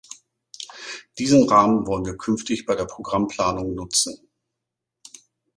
Diesen Rahmen wollen wir künftig bei der Programmplanung nutzen.